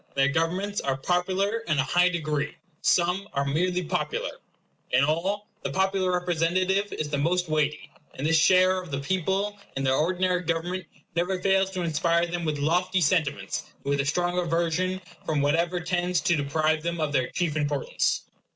Their governments are popular in an high degree; some are merely popular; in all, the popular representative is the most weighty; and this share of the people in their ordinary government never fails to inspire them with lofty sentiments, and with a strong aversion from whatever tends to deprive them of their chief importance.